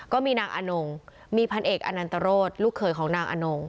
ก็มีนางอนงมีพันเอกอนันตรโรธลูกเคยของนางอนง